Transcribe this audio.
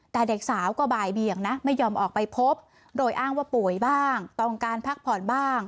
แต่เด็กสาวก็บ่ายเบียงนะไม่ยอมออกไปพบโดยอ้างว่าป่วยบ้างต้องการพักผ่อนบ้าง